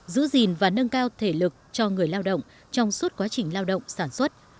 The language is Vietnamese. giữ gìn và nâng cao thể lực cho người lao động trong suốt quá trình lao động sản xuất